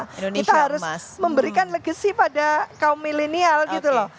kita harus memberikan legacy pada kaum milenial gitu loh